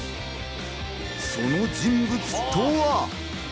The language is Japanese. その人物とは。